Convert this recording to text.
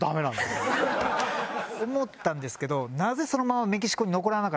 思ったんですけど。